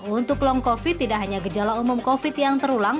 untuk long covid tidak hanya gejala umum covid yang terulang